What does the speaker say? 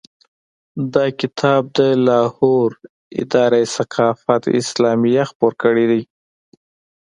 دا کتاب د لاهور اداره ثقافت اسلامیه خپور کړی دی.